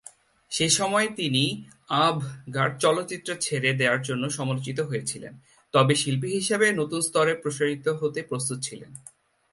সে সময়ে তিনি আঁভ-গার্দ চলচ্চিত্র ছেড়ে দেওয়ার জন্য সমালোচিত হয়েছিলেন, তবে শিল্পী হিসাবে নতুন স্তরে প্রসারিত হতে প্রস্তুত ছিলেন।